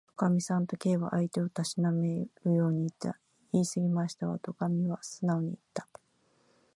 「おかみさん」と、Ｋ は相手をたしなめるようにいった。「いいすぎましたわ」と、おかみはすなおにいった。